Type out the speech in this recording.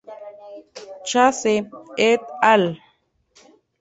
Chase "et al.